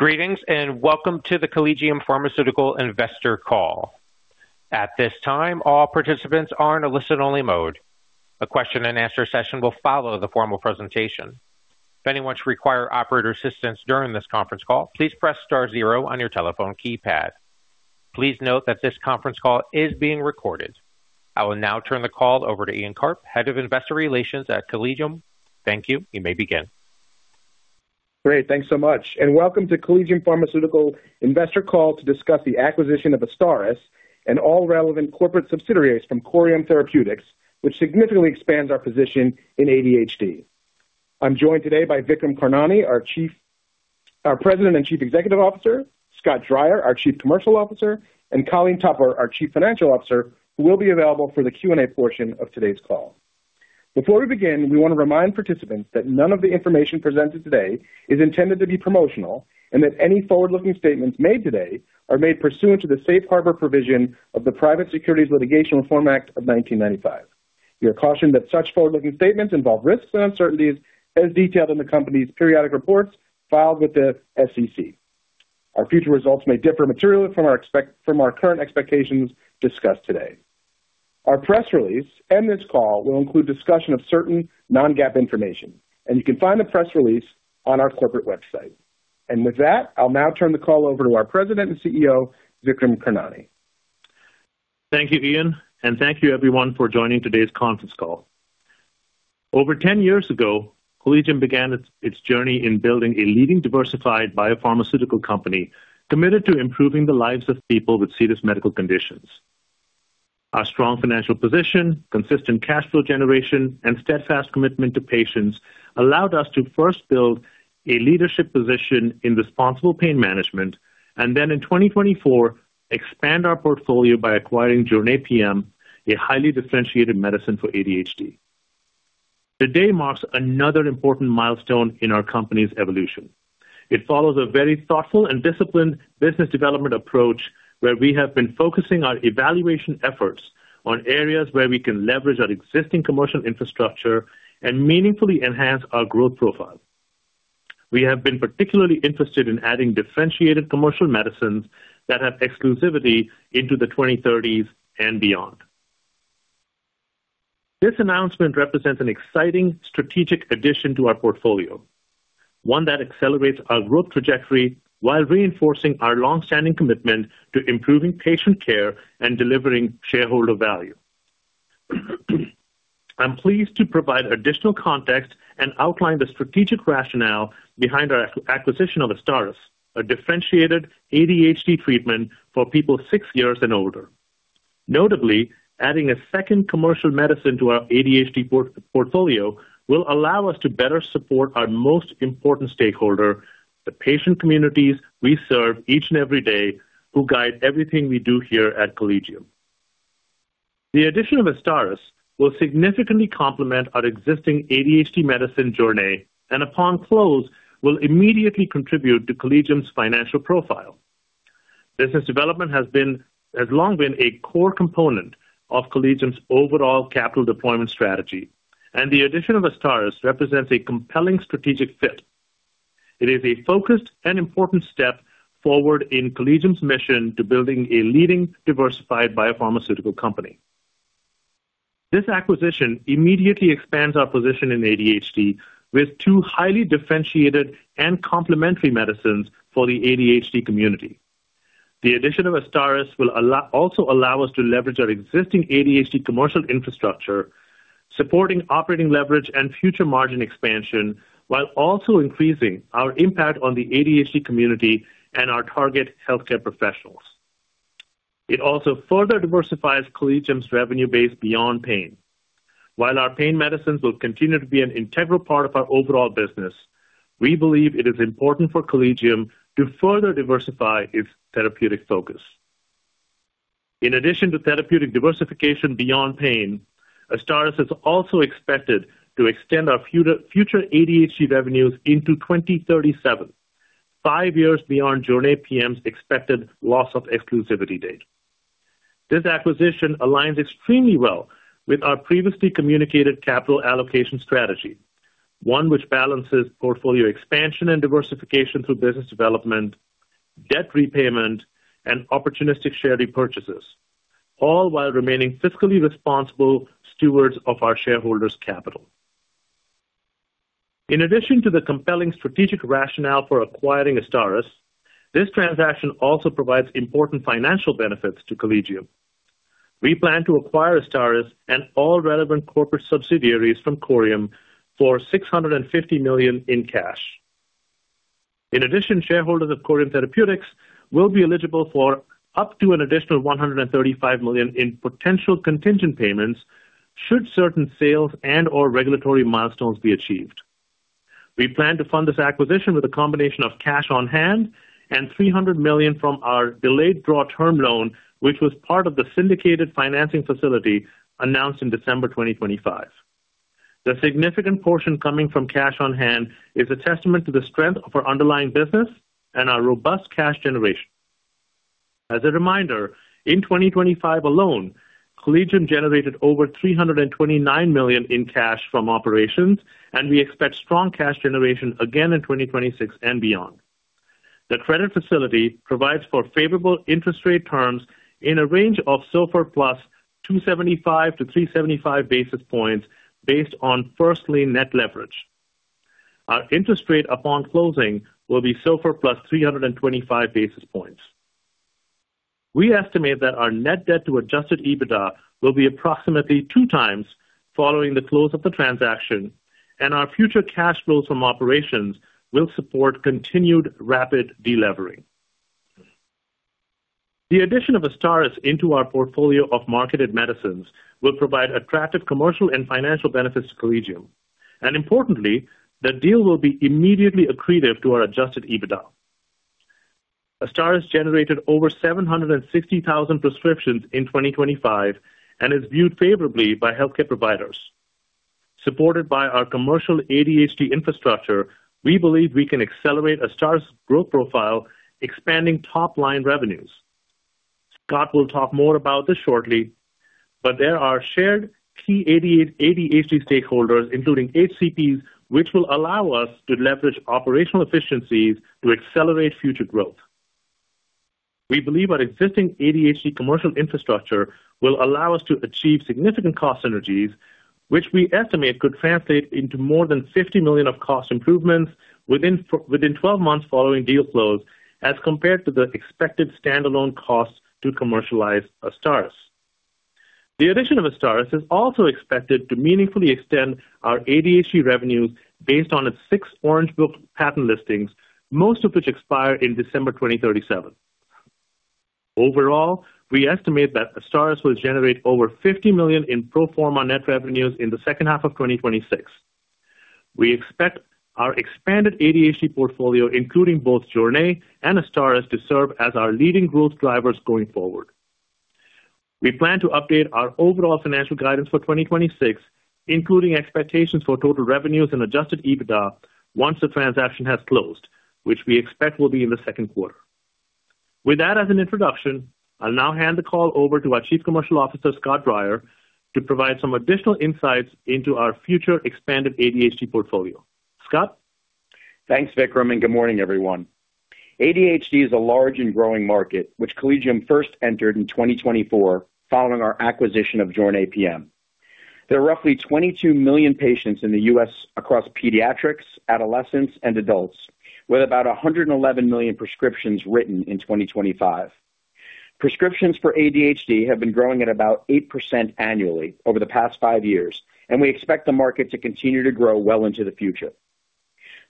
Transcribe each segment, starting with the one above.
Greetings, and welcome to the Collegium Pharmaceutical Investor Call. At this time, all participants are in a listen-only mode. A question and answer session will follow the formal presentation. If anyone should require operator assistance during this conference call, please press star zero on your telephone keypad. Please note that this conference call is being recorded. I will now turn the call over to Ian Karp, Head of Investor Relations at Collegium. Thank you. You may begin. Great. Thanks so much, and welcome to Collegium Pharmaceutical Investor Call to discuss the acquisition of AZSTARYS and all relevant corporate subsidiaries from Corium Therapeutics, which significantly expands our position in ADHD. I'm joined today by Vikram Karnani, our President and Chief Executive Officer, Scott Dreyer, our Chief Commercial Officer, and Pauline Tupper, our Chief Financial Officer, who will be available for the Q&A portion of today's call. Before we begin, we want to remind participants that none of the information presented today is intended to be promotional, and that any forward-looking statements made today are made pursuant to the safe harbor provision of the Private Securities Litigation Reform Act of 1995. You are cautioned that such forward-looking statements involve risks and uncertainties as detailed in the company's periodic reports filed with the SEC. Our future results may differ materially from our current expectations discussed today. Our press release and this call will include discussion of certain non-GAAP information, and you can find the press release on our corporate website. With that, I'll now turn the call over to our President and CEO, Vikram Karnani. Thank you, Ian, and thank you everyone for joining today's conference call. Over 10 years ago, Collegium began its journey in building a leading diversified biopharmaceutical company committed to improving the lives of people with serious medical conditions. Our strong financial position, consistent cash flow generation, and steadfast commitment to patients allowed us to first build a leadership position in responsible pain management and then in 2024 expand our portfolio by acquiring Jornay PM, a highly differentiated medicine for ADHD. Today marks another important milestone in our company's evolution. It follows a very thoughtful and disciplined business development approach, where we have been focusing our evaluation efforts on areas where we can leverage our existing commercial infrastructure and meaningfully enhance our growth profile. We have been particularly interested in adding differentiated commercial medicines that have exclusivity into the 2030s and beyond. This announcement represents an exciting strategic addition to our portfolio, one that accelerates our growth trajectory while reinforcing our long-standing commitment to improving patient care and delivering shareholder value. I'm pleased to provide additional context and outline the strategic rationale behind our acquisition of AZSTARYS, a differentiated ADHD treatment for people six years and older. Notably, adding a second commercial medicine to our ADHD portfolio will allow us to better support our most important stakeholder, the patient communities we serve each and every day, who guide everything we do here at Collegium. The addition of AZSTARYS will significantly complement our existing ADHD medicine, Jornay, and upon close, will immediately contribute to Collegium's financial profile. Business development has long been a core component of Collegium's overall capital deployment strategy, and the addition of AZSTARYS represents a compelling strategic fit. It is a focused and important step forward in Collegium's mission to building a leading diversified biopharmaceutical company. This acquisition immediately expands our position in ADHD with two highly differentiated and complementary medicines for the ADHD community. The addition of AZSTARYS will also allow us to leverage our existing ADHD commercial infrastructure, supporting operating leverage and future margin expansion, while also increasing our impact on the ADHD community and our target healthcare professionals. It also further diversifies Collegium's revenue base beyond pain. While our pain medicines will continue to be an integral part of our overall business, we believe it is important for Collegium to further diversify its therapeutic focus. In addition to therapeutic diversification beyond pain, AZSTARYS is also expected to extend our future ADHD revenues into 2037, 5 years beyond Jornay PM's expected loss of exclusivity date. This acquisition aligns extremely well with our previously communicated capital allocation strategy, one which balances portfolio expansion and diversification through business development, debt repayment, and opportunistic share repurchases, all while remaining fiscally responsible stewards of our shareholders' capital. In addition to the compelling strategic rationale for acquiring AZSTARYS, this transaction also provides important financial benefits to Collegium. We plan to acquire AZSTARYS and all relevant corporate subsidiaries from Corium for $650 million in cash. In addition, shareholders of Corium Therapeutics will be eligible for up to an additional $135 million in potential contingent payments should certain sales and/or regulatory milestones be achieved. We plan to fund this acquisition with a combination of cash on hand and $300 million from our delayed draw term loan, which was part of the syndicated financing facility announced in December 2025. The significant portion coming from cash on hand is a testament to the strength of our underlying business and our robust cash generation. As a reminder, in 2025 alone, Collegium generated over $329 million in cash from operations, and we expect strong cash generation again in 2026 and beyond. The credit facility provides for favorable interest rate terms in a range of SOFR plus 275 to 375 basis points based on first lien net leverage. Our interest rate upon closing will be SOFR plus 325 basis points. We estimate that our net debt to adjusted EBITDA will be approximately 2x following the close of the transaction and our future cash flows from operations will support continued rapid delevering. The addition of AZSTARYS into our portfolio of marketed medicines will provide attractive commercial and financial benefits to Collegium. Importantly, the deal will be immediately accretive to our adjusted EBITDA. AZSTARYS generated over 760,000 prescriptions in 2025 and is viewed favorably by healthcare providers. Supported by our commercial ADHD infrastructure, we believe we can accelerate AZSTARYS' growth profile, expanding top-line revenues. Scott will talk more about this shortly, but there are shared key ADHD stakeholders, including HCPs, which will allow us to leverage operational efficiencies to accelerate future growth. We believe our existing ADHD commercial infrastructure will allow us to achieve significant cost synergies, which we estimate could translate into more than $50 million of cost improvements within 12 months following deal close as compared to the expected standalone costs to commercialize AZSTARYS. The addition of AZSTARYS is also expected to meaningfully extend our ADHD revenues based on its 6 Orange Book patent listings, most of which expire in December 2037. Overall, we estimate that AZSTARYS will generate over $50 million in pro forma net revenues in the second half of 2026. We expect our expanded ADHD portfolio, including both Jornay PM and AZSTARYS, to serve as our leading growth drivers going forward. We plan to update our overall financial guidance for 2026, including expectations for total revenues and adjusted EBITDA once the transaction has closed, which we expect will be in the second quarter. With that as an introduction, I'll now hand the call over to our Chief Commercial Officer, Scott Dreyer, to provide some additional insights into our future expanded ADHD portfolio. Scott. Thanks, Vikram, and good morning, everyone. ADHD is a large and growing market, which Collegium first entered in 2024 following our acquisition of Jornay PM. There are roughly 22 million patients in the U.S. across pediatrics, adolescents, and adults, with about 111 million prescriptions written in 2025. Prescriptions for ADHD have been growing at about 8% annually over the past 5 years, and we expect the market to continue to grow well into the future.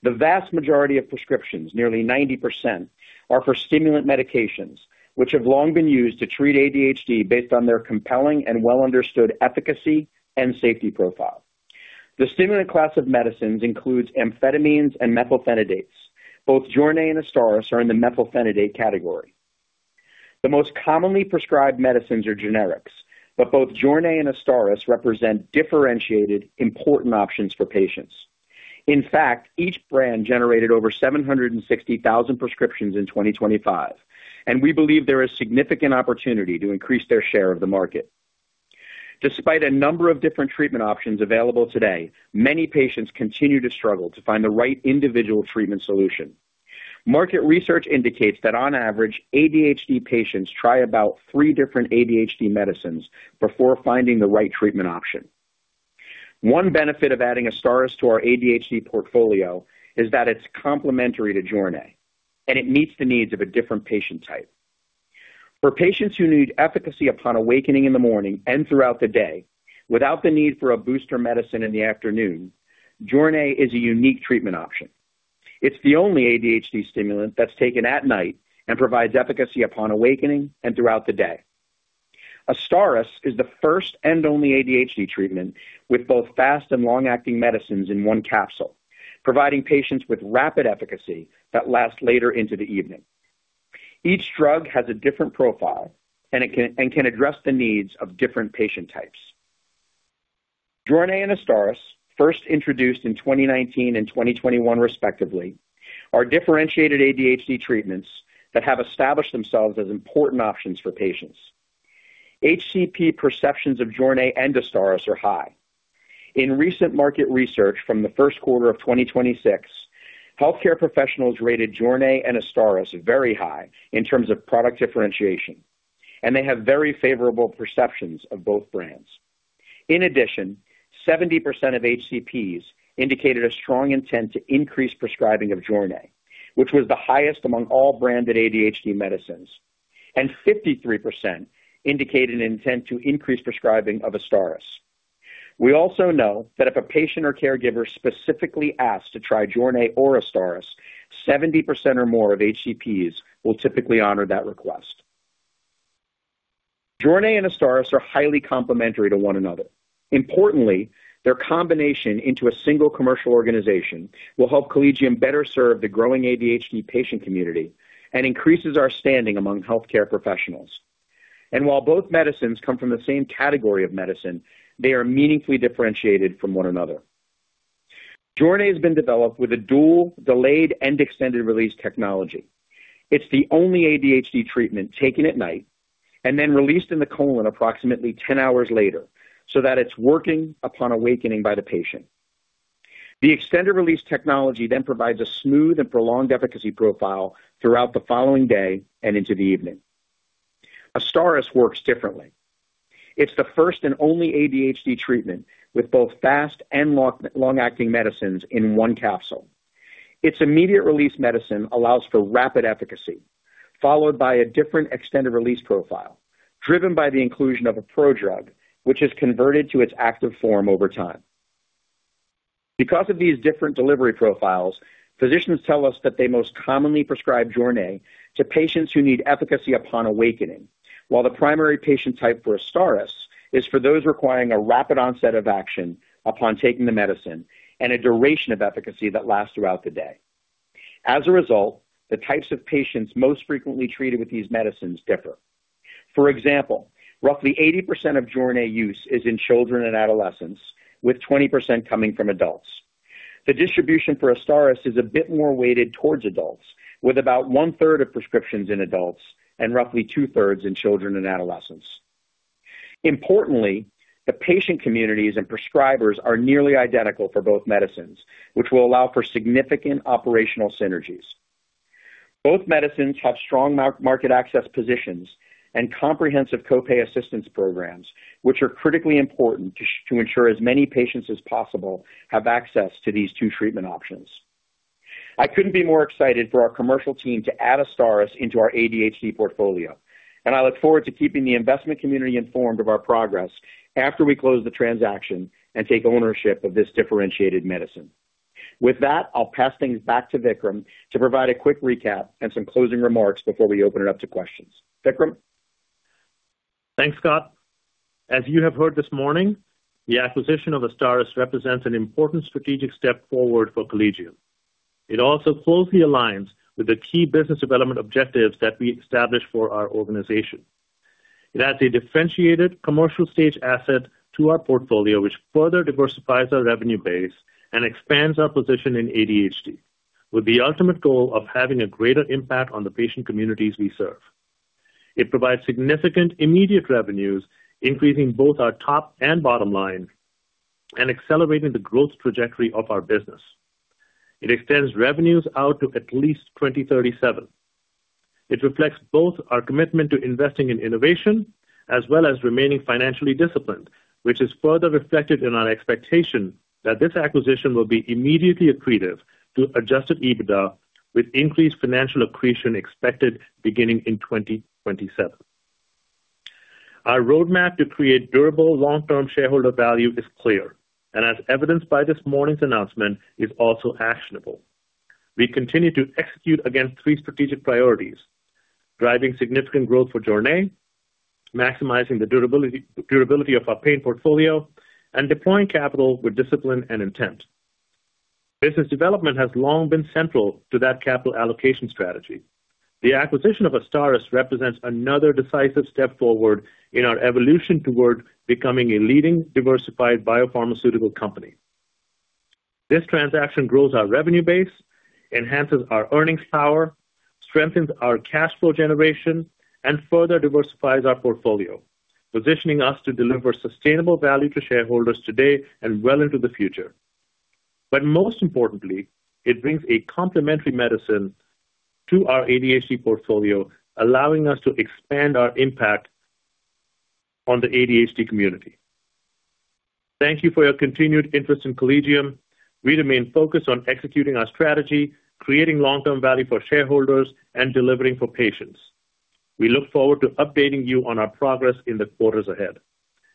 The vast majority of prescriptions, nearly 90%, are for stimulant medications, which have long been used to treat ADHD based on their compelling and well-understood efficacy and safety profile. The stimulant class of medicines includes amphetamines and methylphenidates. Both Jornay PM and AZSTARYS are in the methylphenidate category. The most commonly prescribed medicines are generics, but both Jornay PM and AZSTARYS represent differentiated, important options for patients. In fact, each brand generated over 760,000 prescriptions in 2025, and we believe there is significant opportunity to increase their share of the market. Despite a number of different treatment options available today, many patients continue to struggle to find the right individual treatment solution. Market research indicates that on average, ADHD patients try about three different ADHD medicines before finding the right treatment option. One benefit of adding AZSTARYS to our ADHD portfolio is that it's complementary to Jornay PM, and it meets the needs of a different patient type. For patients who need efficacy upon awakening in the morning and throughout the day without the need for a booster medicine in the afternoon, Jornay PM is a unique treatment option. It's the only ADHD stimulant that's taken at night and provides efficacy upon awakening and throughout the day. AZSTARYS is the first and only ADHD treatment with both fast and long-acting medicines in one capsule, providing patients with rapid efficacy that lasts later into the evening. Each drug has a different profile and it can address the needs of different patient types. Jornay PM and AZSTARYS, first introduced in 2019 and 2021 respectively, are differentiated ADHD treatments that have established themselves as important options for patients. HCP perceptions of Jornay PM and AZSTARYS are high. In recent market research from the first quarter of 2026, healthcare professionals rated Jornay PM and AZSTARYS very high in terms of product differentiation, and they have very favorable perceptions of both brands. In addition, 70% of HCPs indicated a strong intent to increase prescribing of Jornay PM, which was the highest among all branded ADHD medicines. 53% indicated an intent to increase prescribing of AZSTARYS. We also know that if a patient or caregiver specifically asks to try Jornay or AZSTARYS, 70% or more of HCPs will typically honor that request. Jornay and AZSTARYS are highly complementary to one another. Importantly, their combination into a single commercial organization will help Collegium better serve the growing ADHD patient community and increases our standing among healthcare professionals. While both medicines come from the same category of medicine, they are meaningfully differentiated from one another. Jornay has been developed with a dual delayed and extended release technology. It's the only ADHD treatment taken at night and then released in the colon approximately 10 hours later so that it's working upon awakening by the patient. The extended release technology then provides a smooth and prolonged efficacy profile throughout the following day and into the evening. AZSTARYS works differently. It's the first and only ADHD treatment with both fast and long, long-acting medicines in one capsule. Its immediate release medicine allows for rapid efficacy, followed by a different extended release profile driven by the inclusion of a prodrug, which is converted to its active form over time. Because of these different delivery profiles, physicians tell us that they most commonly prescribe Jornay to patients who need efficacy upon awakening. While the primary patient type for AZSTARYS is for those requiring a rapid onset of action upon taking the medicine and a duration of efficacy that lasts throughout the day. As a result, the types of patients most frequently treated with these medicines differ. For example, roughly 80% of Jornay use is in children and adolescents, with 20% coming from adults. The distribution for AZSTARYS is a bit more weighted towards adults, with about 1/3 of prescriptions in adults and roughly 2/3 in children and adolescents. Importantly, the patient communities and prescribers are nearly identical for both medicines, which will allow for significant operational synergies. Both medicines have strong market access positions and comprehensive co-pay assistance programs, which are critically important to ensure as many patients as possible have access to these two treatment options. I couldn't be more excited for our commercial team to add AZSTARYS into our ADHD portfolio, and I look forward to keeping the investment community informed of our progress after we close the transaction and take ownership of this differentiated medicine. With that, I'll pass things back to Vikram to provide a quick recap and some closing remarks before we open it up to questions. Vikram. Thanks, Scott. As you have heard this morning, the acquisition of AZSTARYS represents an important strategic step forward for Collegium. It also closely aligns with the key business development objectives that we established for our organization. It adds a differentiated commercial stage asset to our portfolio, which further diversifies our revenue base and expands our position in ADHD, with the ultimate goal of having a greater impact on the patient communities we serve. It provides significant immediate revenues, increasing both our top and bottom line and accelerating the growth trajectory of our business. It extends revenues out to at least 2037. It reflects both our commitment to investing in innovation as well as remaining financially disciplined, which is further reflected in our expectation that this acquisition will be immediately accretive to adjusted EBITDA, with increased financial accretion expected beginning in 2027. Our roadmap to create durable long-term shareholder value is clear and as evidenced by this morning's announcement, is also actionable. We continue to execute against three strategic priorities. Driving significant growth for Jornay, maximizing the durability of our pain portfolio, and deploying capital with discipline and intent. Business development has long been central to that capital allocation strategy. The acquisition of AZSTARYS represents another decisive step forward in our evolution toward becoming a leading diversified biopharmaceutical company. This transaction grows our revenue base, enhances our earnings power, strengthens our cash flow generation, and further diversifies our portfolio, positioning us to deliver sustainable value to shareholders today and well into the future. Most importantly, it brings a complementary medicine to our ADHD portfolio, allowing us to expand our impact on the ADHD community. Thank you for your continued interest in Collegium. We remain focused on executing our strategy, creating long-term value for shareholders, and delivering for patients. We look forward to updating you on our progress in the quarters ahead.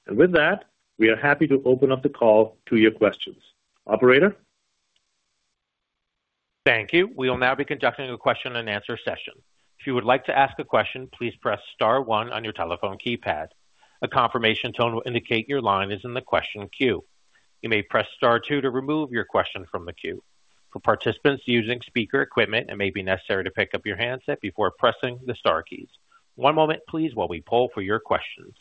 With that, we are happy to open up the call to your questions. Operator? Thank you. We will now be conducting a question and answer session. If you would like to ask a question, please press star one on your telephone keypad. A confirmation tone will indicate your line is in the question queue. You may press star two to remove your question from the queue. For participants using speaker equipment, it may be necessary to pick up your handset before pressing the star keys. One moment please while we poll for your questions.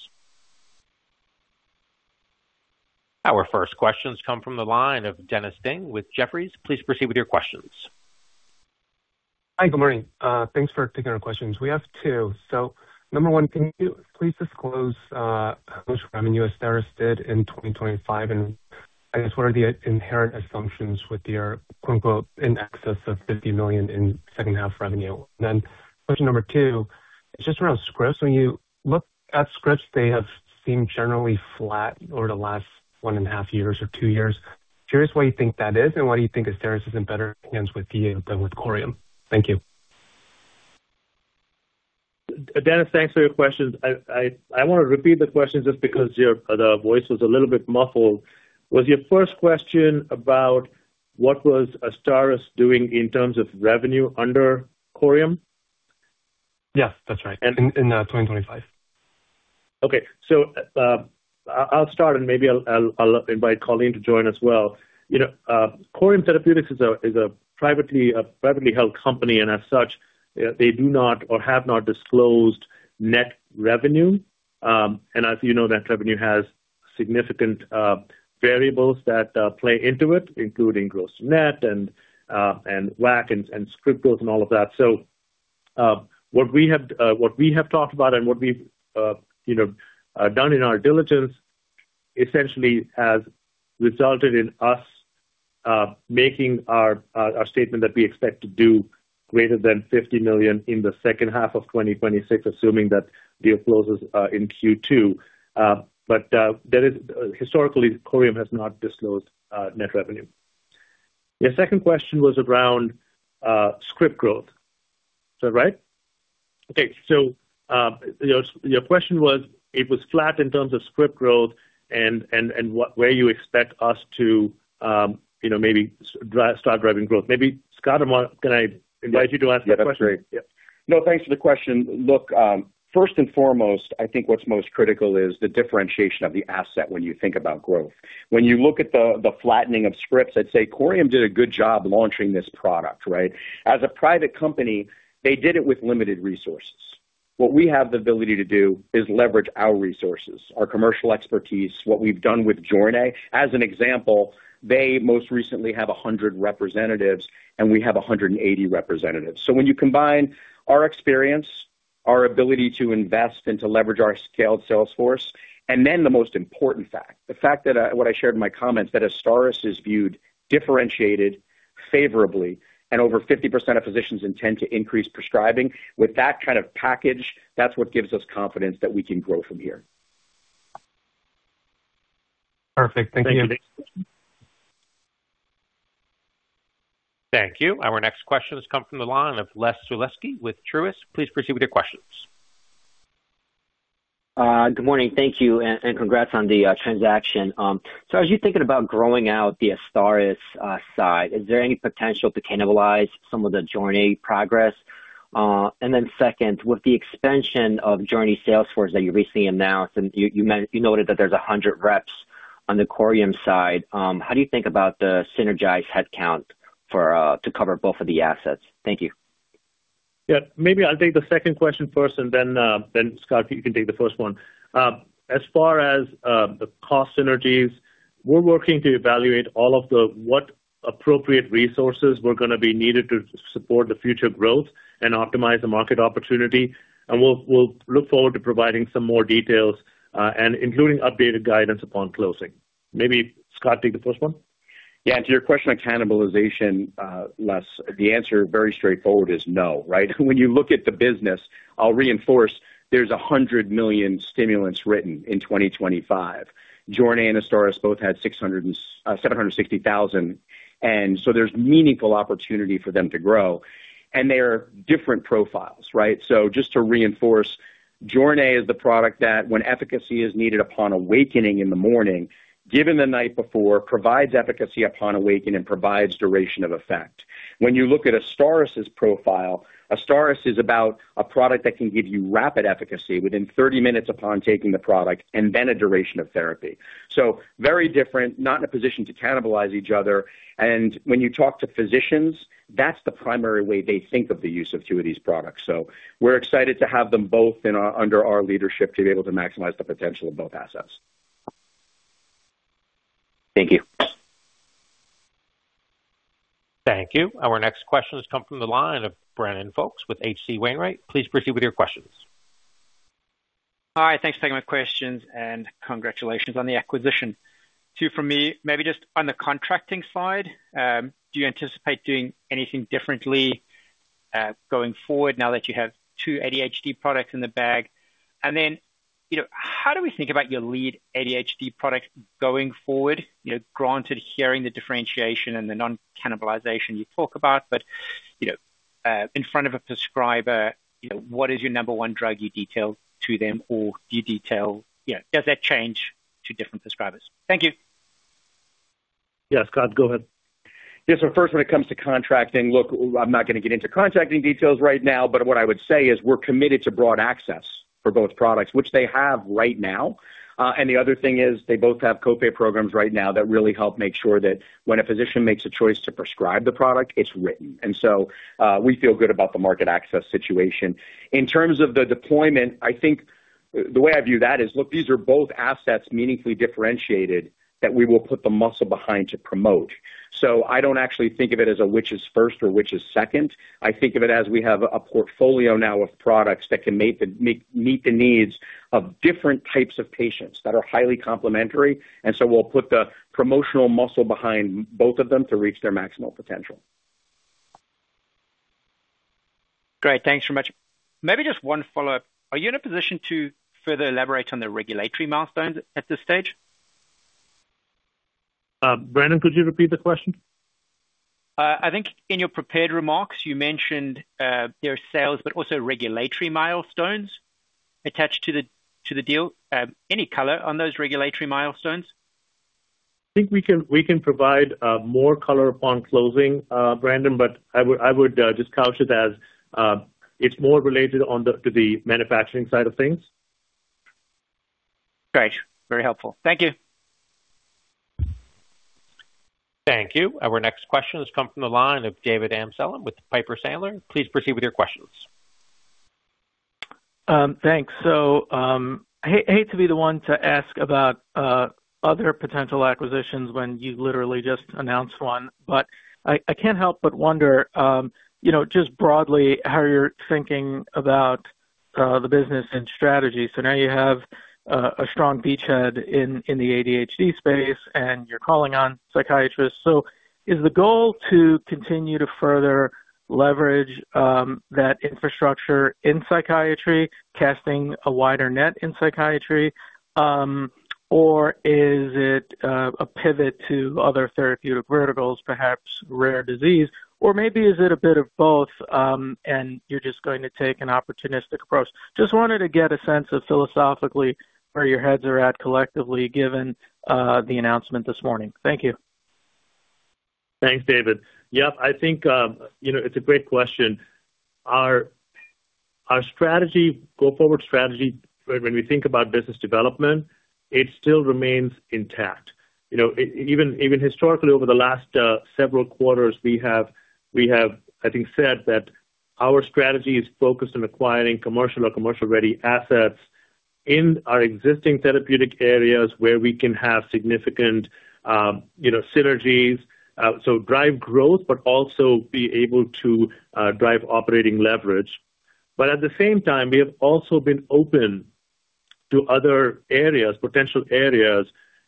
Our first questions come from the line of Dennis Ding with Jefferies. Please proceed with your questions. Hi. Good morning. Thanks for taking our questions. We have two. Number one, can you please disclose how much revenue AZSTARYS did in 2025? And I guess what are the inherent assumptions with your quote-unquote in excess of $50 million in second half revenue? Question number two is just around scripts. When you look at scripts, they have seemed generally flat over the last one and a half years or two years. Curious why you think that is and why do you think AZSTARYS is in better hands with you than with Corium? Thank you. Dennis, thanks for your questions. I want to repeat the question just because your voice was a little bit muffled. Was your first question about what was AZSTARYS doing in terms of revenue under Corium? Yeah, that's right. In 2025. Okay. I'll start and maybe I'll invite Pauline to join as well. You know, Corium Therapeutics is a privately held company, and as such, they do not or have not disclosed net revenue. As you know, net revenue has significant variables that play into it, including gross-to-net and WAC and script builds and all of that. What we have talked about and what we've you know done in our diligence essentially has resulted in us making our statement that we expect to do greater than $50 million in the second half of 2026, assuming that the close is in Q2. Historically, Corium has not disclosed net revenue. Your second question was around script growth. Is that right? Okay. Your question was, it was flat in terms of script growth and where you expect us to, you know, maybe start driving growth. Maybe, Scott, I'm gonna. Can I invite you to answer the question? Yeah. That's great. Yeah. No, thanks for the question. Look, first and foremost, I think what's most critical is the differentiation of the asset when you think about growth. When you look at the flattening of scripts, I'd say Corium did a good job launching this product, right? As a private company, they did it with limited resources. What we have the ability to do is leverage our resources, our commercial expertise, what we've done with Jornay. As an example, they most recently have 100 representatives, and we have 180 representatives. So when you combine our experience, our ability to invest and to leverage our scaled sales force, and then the most important fact, the fact that what I shared in my comments, that AZSTARYS is viewed differentiated favorably and over 50% of physicians intend to increase prescribing. With that kind of package, that's what gives us confidence that we can grow from here. Perfect. Thank you. Thank you. Thank you. Our next question has come from the line of Les Sulewski with Truist. Please proceed with your questions. Good morning. Thank you and congrats on the transaction. So as you're thinking about growing out the AZSTARYS side, is there any potential to cannibalize some of the Jornay progress? And then second, with the expansion of Jornay's sales force that you recently announced and you noted that there's 100 reps on the Corium side, how do you think about the synergistic headcount to cover both of the assets? Thank you. Yeah. Maybe I'll take the second question first and then, Scott, you can take the first one. As far as the cost synergies, we're working to evaluate all of the appropriate resources were gonna be needed to support the future growth and optimize the market opportunity. We'll look forward to providing some more details and including updated guidance upon closing. Maybe, Scott, take the first one. Yeah. To your question on cannibalization, Les, the answer very straightforward is no, right? When you look at the business, I'll reinforce there's 100 million stimulants written in 2025. Jornay PM and AZSTARYS both had 760,000. There's meaningful opportunity for them to grow. They are different profiles, right? Just to reinforce, Jornay PM is the product that when efficacy is needed upon awakening in the morning, given the night before, provides efficacy upon awaken and provides duration of effect. When you look at AZSTARYS' profile, AZSTARYS is about a product that can give you rapid efficacy within 30 minutes upon taking the product and then a duration of therapy. Very different. Not in a position to cannibalize each other. When you talk to physicians, that's the primary way they think of the use of two of these products. We're excited to have them both under our leadership to be able to maximize the potential of both assets. Thank you. Thank you. Our next question has come from the line of Brandon Folkes with H.C. Wainwright. Please proceed with your questions. Hi. Thanks for taking my questions and congratulations on the acquisition. Two from me. Maybe just on the contracting side, do you anticipate doing anything differently, going forward now that you have two ADHD products in the bag? You know, how do we think about your lead ADHD product going forward? You know, granted hearing the differentiation and the non-cannibalization you talk about, but, you know, in front of a prescriber, you know, what is your number one drug you detail to them? You know, does that change to different prescribers? Thank you. Yes. Scott, go ahead. Yeah. First, when it comes to contracting, look, I'm not gonna get into contracting details right now, but what I would say is we're committed to broad access for both products, which they have right now. The other thing is they both have co-pay programs right now that really help make sure that when a physician makes a choice to prescribe the product, it's written. We feel good about the market access situation. In terms of the deployment, I think the way I view that is, look, these are both assets meaningfully differentiated that we will put the muscle behind to promote. I don't actually think of it as a which is first or which is second. I think of it as we have a portfolio now of products that can meet the needs of different types of patients that are highly complementary, and so we'll put the promotional muscle behind both of them to reach their maximal potential. Great. Thanks so much. Maybe just one follow-up. Are you in a position to further elaborate on the regulatory milestones at this stage? Brandon, could you repeat the question? I think in your prepared remarks, you mentioned there are sales but also regulatory milestones attached to the deal. Any color on those regulatory milestones? I think we can provide more color upon closing, Brandon, but I would just couch it as it's more related to the manufacturing side of things. Great. Very helpful. Thank you. Thank you. Our next question has come from the line of David Amsellem with Piper Sandler. Please proceed with your questions. Thanks. I hate to be the one to ask about other potential acquisitions when you literally just announced one, but I can't help but wonder, you know, just broadly how you're thinking about the business and strategy. Now you have a strong beachhead in the ADHD space, and you're calling on psychiatrists. Is the goal to continue to further leverage that infrastructure in psychiatry, casting a wider net in psychiatry? Or is it a pivot to other therapeutic verticals, perhaps rare disease? Or maybe is it a bit of both, and you're just going to take an opportunistic approach? Just wanted to get a sense of philosophically where your heads are at collectively, given the announcement this morning. Thank you. Thanks, David. Yep, I think, you know, it's a great question. Our strategy, go forward strategy, when we think about business development, it still remains intact. You know, even historically, over the last several quarters, we have, I think, said that our strategy is focused on acquiring commercial or commercial-ready assets in our existing therapeutic areas where we can have significant, you know, synergies. So drive growth, but also be able to drive operating leverage. But at the same time, we have also been open to other areas, potential areas,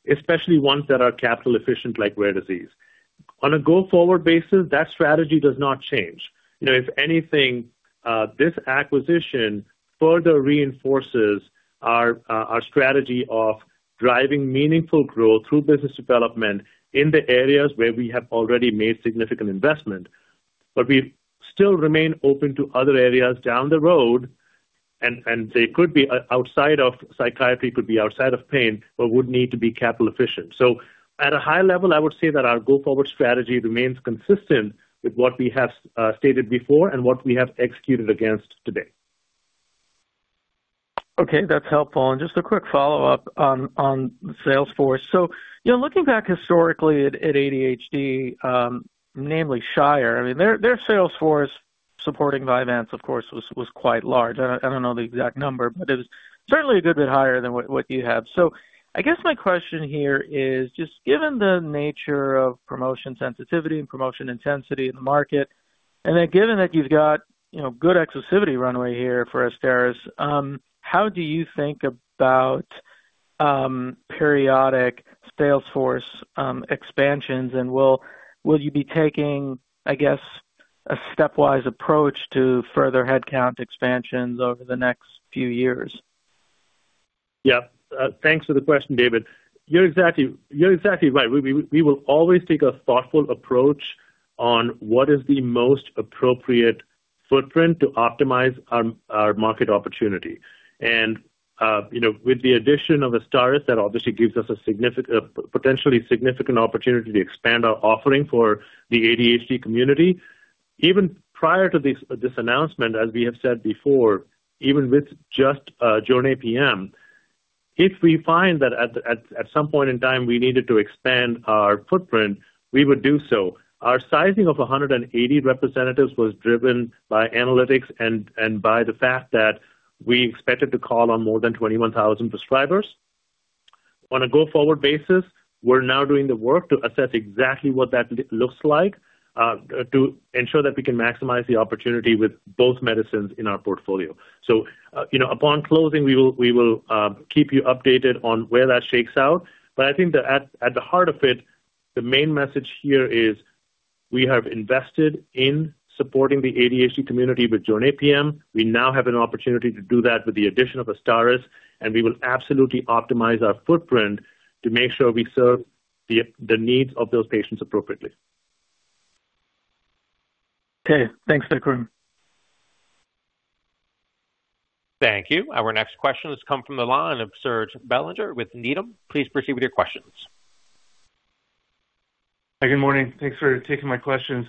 especially ones that are capital efficient, like rare disease. On a go-forward basis, that strategy does not change. You know, if anything, this acquisition further reinforces our strategy of driving meaningful growth through business development in the areas where we have already made significant investment. We still remain open to other areas down the road, and they could be outside of psychiatry, could be outside of pain, but would need to be capital efficient. At a high level, I would say that our go-forward strategy remains consistent with what we have stated before and what we have executed against today. Okay, that's helpful. Just a quick follow-up on sales force. You know, looking back historically at ADHD, namely Shire, I mean, their sales force supporting Vyvanse, of course, was quite large. I don't know the exact number, but it was certainly a good bit higher than what you have. I guess my question here is just given the nature of promotion sensitivity and promotion intensity in the market, and then given that you've got, you know, good exclusivity runway here for AZSTARYS, how do you think about periodic sales force expansions and will you be taking, I guess, a stepwise approach to further headcount expansions over the next few years? Yeah. Thanks for the question, David. You're exactly right. We will always take a thoughtful approach on what is the most appropriate footprint to optimize our market opportunity. You know, with the addition of AZSTARYS, that obviously gives us a significant, potentially significant opportunity to expand our offering for the ADHD community. Even prior to this announcement, as we have said before, even with just Jornay PM, if we find that at some point in time we needed to expand our footprint, we would do so. Our sizing of 180 representatives was driven by analytics and by the fact that we expected to call on more than 21,000 prescribers. On a go-forward basis, we're now doing the work to assess exactly what that looks like, to ensure that we can maximize the opportunity with both medicines in our portfolio. You know, upon closing, we will keep you updated on where that shakes out. I think that at the heart of it, the main message here is we have invested in supporting the ADHD community with Jornay PM. We now have an opportunity to do that with the addition of AZSTARYS, and we will absolutely optimize our footprint to make sure we serve the needs of those patients appropriately. Okay. Thanks, Vikram. Thank you. Our next question has come from the line of Serge Belanger with Needham. Please proceed with your questions. Hi, good morning. Thanks for taking my questions.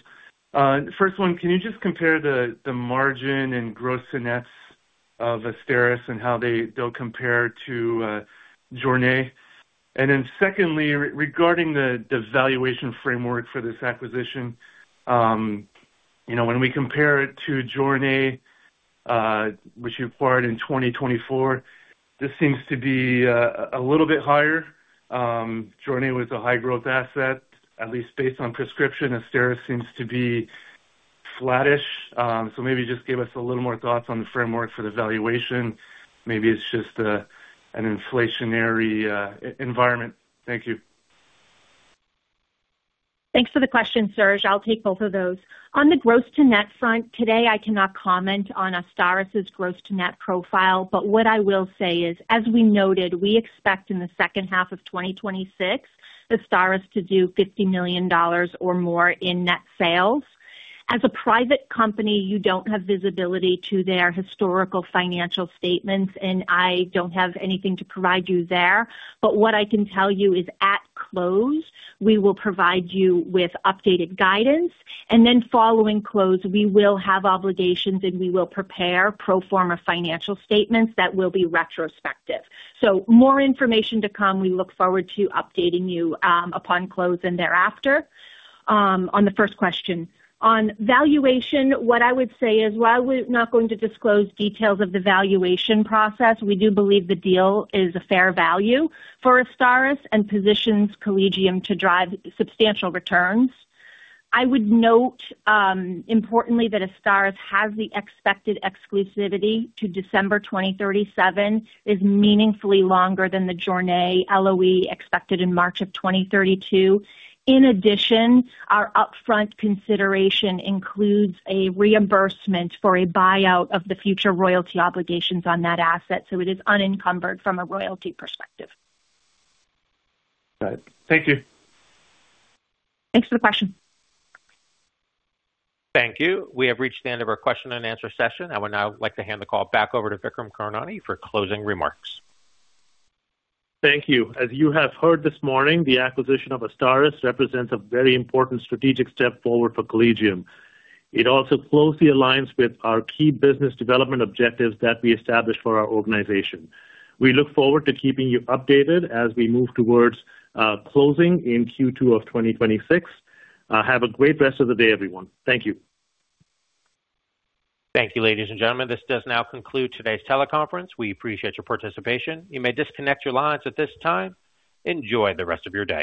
First one, can you just compare the margin and gross-to-net of AZSTARYS and how they compare to Jornay PM? Secondly, regarding the valuation framework for this acquisition, you know, when we compare it to Jornay PM, which you acquired in 2024, this seems to be a little bit higher. Jornay PM was a high-growth asset, at least based on prescription. AZSTARYS seems to be flattish. So maybe just give us a little more thoughts on the framework for the valuation. Maybe it's just an inflationary environment. Thank you. Thanks for the question, Serge. I'll take both of those. On the gross to net front, today, I cannot comment on AZSTARYS' gross to net profile, but what I will say is, as we noted, we expect in the second half of 2026, AZSTARYS to do $50 million or more in net sales. As a private company, you don't have visibility to their historical financial statements, and I don't have anything to provide you there. But what I can tell you is at close, we will provide you with updated guidance, and then following close, we will have obligations, and we will prepare pro forma financial statements that will be retrospective. More information to come. We look forward to updating you, upon close and thereafter, on the first question. On valuation, what I would say is, while we're not going to disclose details of the valuation process, we do believe the deal is a fair value for AZSTARYS and positions Collegium to drive substantial returns. I would note, importantly, that AZSTARYS has the expected exclusivity to December 2037, is meaningfully longer than the Jornay LOE expected in March of 2032. In addition, our upfront consideration includes a reimbursement for a buyout of the future royalty obligations on that asset, so it is unencumbered from a royalty perspective. Got it. Thank you. Thanks for the question. Thank you. We have reached the end of our question and answer session. I would now like to hand the call back over to Vikram Karnani for closing remarks. Thank you. As you have heard this morning, the acquisition of AZSTARYS represents a very important strategic step forward for Collegium. It also closely aligns with our key business development objectives that we established for our organization. We look forward to keeping you updated as we move towards closing in Q2 of 2026. Have a great rest of the day, everyone. Thank you. Thank you, ladies and gentlemen. This does now conclude today's teleconference. We appreciate your participation. You may disconnect your lines at this time. Enjoy the rest of your day.